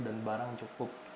dan barang cukup